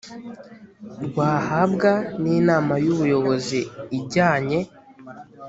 rwahabwa n inama y ubuyobozi ijyanye